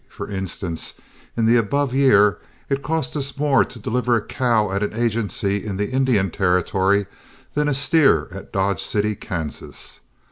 For instance, in the above year it cost us more to deliver a cow at an agency in the Indian Territory than a steer at Dodge City, Kansas.